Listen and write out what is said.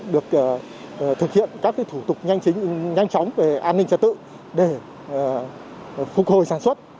được thực hiện các thủ tục nhanh chóng về an ninh trật tự để phục hồi sản xuất